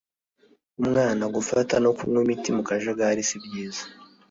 umwana gufata no kunywa imiti mu kajagari si byiza